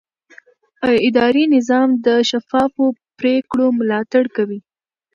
اداري نظام د شفافو پریکړو ملاتړ کوي.